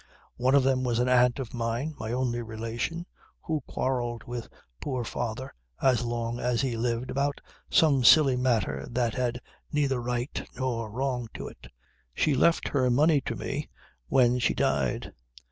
One of them was an aunt of mine, my only relation, who quarrelled with poor father as long as he lived about some silly matter that had neither right nor wrong to it. She left her money to me when she died.